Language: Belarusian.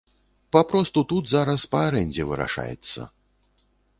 Папросту тут зараз па арэндзе вырашаецца.